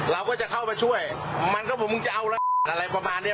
เราก็จะเข้ามาช่วยมันก็พวกมึงจะเอาละอะไรประมาณเนี้ย